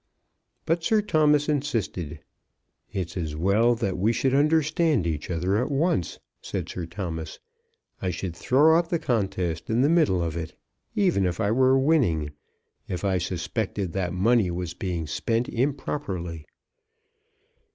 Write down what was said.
But Sir Thomas insisted. "It's as well that we should understand each other at once," said Sir Thomas. "I should throw up the contest in the middle of it, even if I were winning, if I suspected that money was being spent improperly."